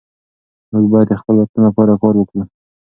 موږ باید د خپل وطن لپاره کار وکړو.